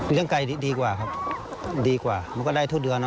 เรื่องไกลดีกว่าครับดีกว่ามันก็ได้ทุกเดือนนะ